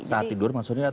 saat tidur maksudnya atau